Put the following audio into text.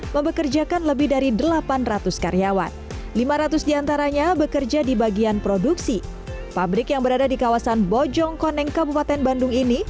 pada bagian produksi pabrik yang berada di kawasan bojong koneng kabupaten bandung ini